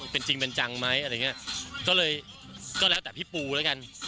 เป็นจริงเป็นจังไหมอะไรอย่างเงี้ยก็เลยก็แล้วแต่พี่ปูแล้วกัน